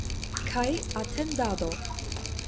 Kaj atendado.